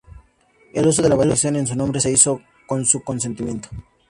El uso de la variación en su nombre se hizo con su consentimiento.